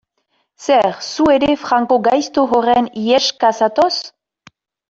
Zer, zu ere Franco gaizto horren iheska zatoz?